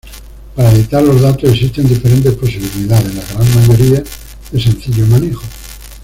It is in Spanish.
Para editar los datos existen diferentes posibilidades, la gran mayoría de sencillo manejo.